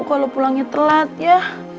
kalau pulangnya telat ya